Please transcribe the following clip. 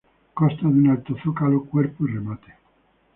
Consta de un alto zócalo, cuerpo y remate.